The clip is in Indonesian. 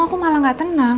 aku malah gak tenang